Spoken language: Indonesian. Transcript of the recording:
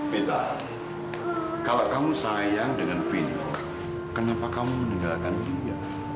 vita kalo kamu sayang dengan vino kenapa kamu menengahkan dia